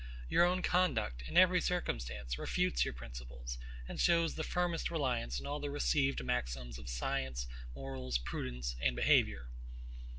Your own conduct, in every circumstance, refutes your principles, and shows the firmest reliance on all the received maxims of science, morals, prudence, and behaviour.